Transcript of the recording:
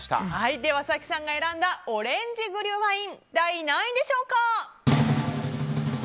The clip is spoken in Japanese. では早紀さんが選んだオレンジグリュワイン第何位でしょうか。